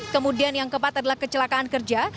kemudian yang keempat adalah kecelakaan kerja